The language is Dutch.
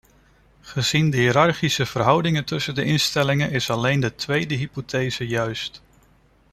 Gezien de hiërarchische verhoudingen tussen de instellingen is alleen de tweede hypothese juist.